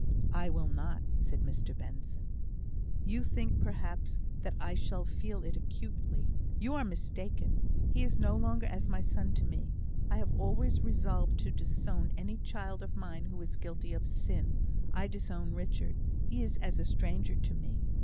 "I will not," said Mr Benson. "You think, perhaps, that I shall feel it acutely. You are mistaken. He is no longer as my son to me. I have always resolved to disown any child of mine who was guilty of sin. I disown Richard. He is as a stranger to me.